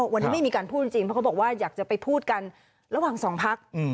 วันนี้ไม่มีการพูดจริงเพราะเขาบอกว่าอยากจะไปพูดกันระหว่างสองพัก